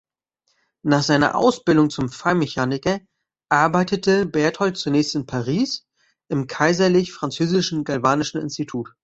Nach seiner Ausbildung zum Feinmechaniker arbeitete Berthold zunächst in Paris im kaiserlich-französischen galvanischen Institut.